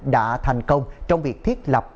đã thành công trong việc thiết lập